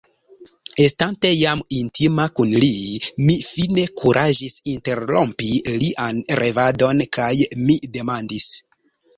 Estante jam intima kun li, mi fine kuraĝis interrompi lian revadon kaj mi demandis: